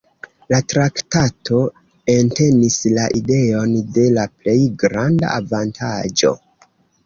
La traktato entenis la ideon de la plej granda avantaĝo.